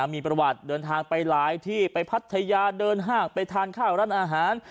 มีประวัติเดินทางไปหลายที่ไปพัทยาเดินห้างไปทานข้าวร้านอาหาร